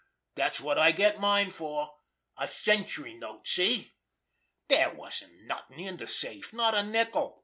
Dat's wot I get mine for—a century note—see? Dere wasn't nothin' in de safe! Not a nickel!